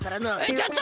ちょっと！